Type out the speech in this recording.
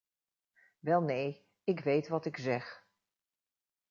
Welnee, ik weet wat ik zeg.